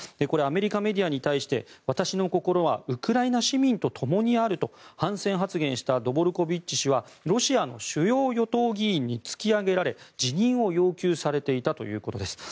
これはアメリカメディアに対して私の心はウクライナ市民とともにあると反戦発言したドボルコビッチ氏はロシアの主要与党議員に突き上げられ辞任を要求されていたということです。